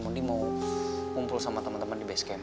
modi mau kumpul sama teman teman di base camp